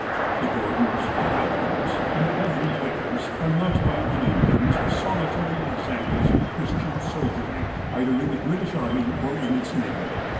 The Gordons, the Havelocks, and the Hedley Vicars are not by any means solitary examples of Christian soldiery, either in the British army or in its navy.